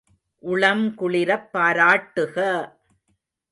உளம் குளிரப் பாராட்டுக!